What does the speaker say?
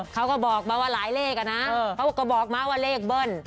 เขาก็บอกมาว่าหลายเลขอะนะเขาก็บอกมาว่าเลขเบิ้ล